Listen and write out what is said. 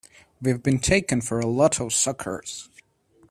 We've been taken for a lot of suckers!